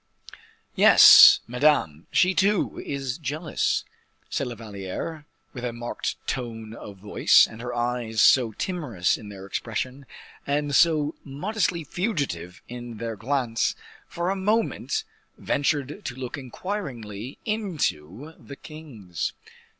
"Yes, Madame; she, too, is jealous," said La Valliere, with a marked tone of voice; and her eyes, so timorous in their expression, and so modestly fugitive in their glance, for a moment, ventured to look inquiringly into the king's.